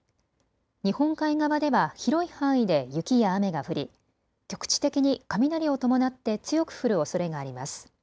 日本海側では広い範囲で雪や雨が降り局地的に雷を伴って強く降るおそれがあります。